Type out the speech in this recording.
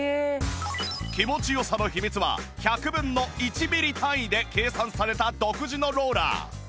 気持ち良さの秘密は１００分の１ミリ単位で計算された独自のローラー